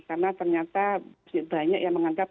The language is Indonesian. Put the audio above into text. karena ternyata banyak yang menganggap